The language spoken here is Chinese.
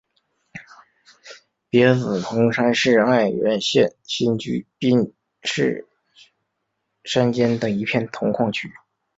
别子铜山是爱媛县新居滨市山间的一片铜矿区。